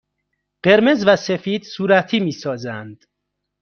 قرمز و سفید صورتی می سازند.